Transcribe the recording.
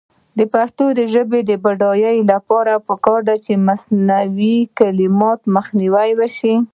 د پښتو ژبې د بډاینې لپاره پکار ده چې مصنوعي کلمات مخنیوی شي.